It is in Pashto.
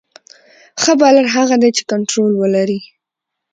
ښه بالر هغه دئ، چي کنټرول ولري.